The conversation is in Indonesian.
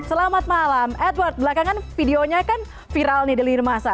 selamat malam edward belakangan videonya kan viral nih di lini masa